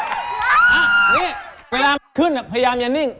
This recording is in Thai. อ่ะนี่เวลาขึ้นพยายามอย่านิ่ง